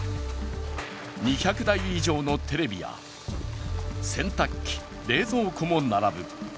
２００台以上のテレビや洗濯機、冷蔵庫も並ぶ。